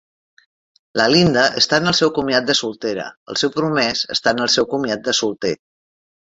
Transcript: La Linda està en el seu comiat de soltera, el seu promès està en el seu comiat de solter.